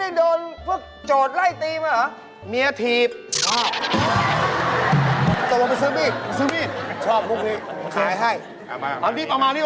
โอ้เดี๋ยวไอ้น้องเดี๋ยวพึ่งไปขอด้วย